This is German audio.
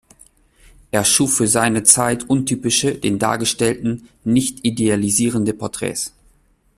Er schuf für seine Zeit untypische den Dargestellten nicht idealisierende Porträts.